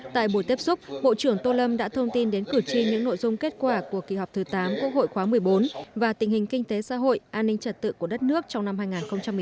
tại buổi tiếp xúc bộ trưởng tô lâm đã thông tin đến cử tri những nội dung kết quả của kỳ họp thứ tám quốc hội khóa một mươi bốn và tình hình kinh tế xã hội an ninh trật tự của đất nước trong năm hai nghìn một mươi chín